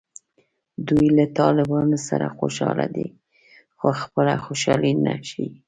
دوی له طالبانو سره خوشحاله دي خو خپله خوشحالي نه ښیي